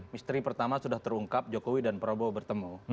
misteri pertama sudah terungkap jokowi dan prabowo bertemu